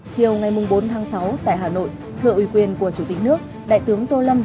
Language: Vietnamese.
chiều ngày bốn tháng sáu tại hà nội thợ ủy quyền của chủ tịch nước đại tướng tô lâm